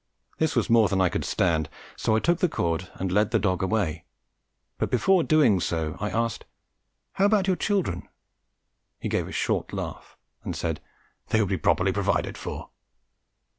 This was more than I could stand, so I took the cord and led the dog away, but before doing so, I asked, "How about your children?" He gave a short laugh, and said, "They would be properly provided for."